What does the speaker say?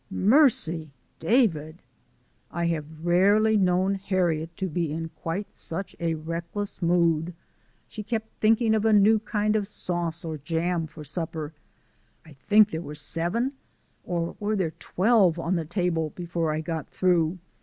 "Mercy! David!" I have rarely known Harriet to be in quite such a reckless mood. She kept thinking of a new kind of sauce or jam for supper (I think there were seven, or were there twelve? on the table before I got through).